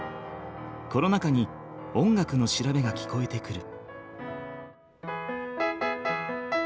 コロナ禍に音楽の調べが聞こえてくる。